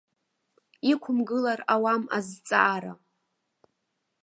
Иқәымгылар ауам азҵаара.